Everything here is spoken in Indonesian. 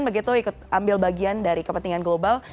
begitu ikut ambil bagian dari kepentingan global